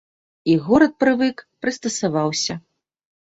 І горад прывык, прыстасаваўся.